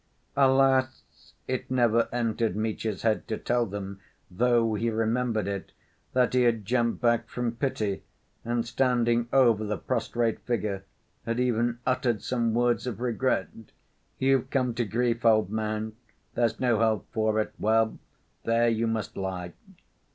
Alas! it never entered Mitya's head to tell them, though he remembered it, that he had jumped back from pity, and standing over the prostrate figure had even uttered some words of regret: "You've come to grief, old man—there's no help for it. Well, there you must lie."